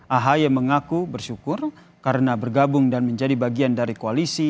ahy mengaku bersyukur karena bergabung dan menjadi bagian dari koalisi